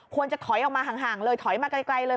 ควรจะถอยออกมาห่างเลยถอยมาไกลเลย